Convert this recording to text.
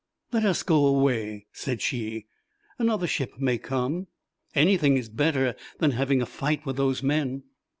"Let us go away," said she, "another ship may come; anything is better than having a fight with those men."